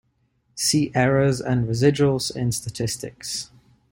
See errors and residuals in statistics.